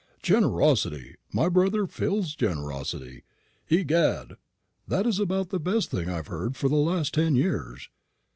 "Generosity! My brother Phil's generosity! Egad, that is about the best thing I've heard for the last ten years.